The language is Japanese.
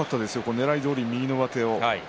ねらいどおり右の上手。